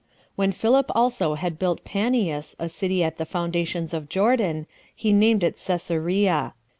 When Philip also had built Paneas, a city at the fountains of Jordan, he named it Cæsarea.